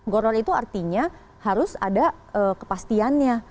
goror itu artinya harus ada kepastiannya